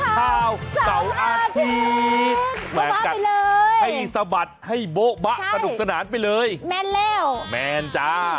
ดูโบ๊ะบะไปเลยมากจากให้สะบัดให้โบ๊ะบะสนุกสนานไปเลยแมนแล้วแมนจ้า